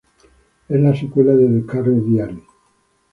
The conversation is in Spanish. Es la secuela de "The Carrie Diaries".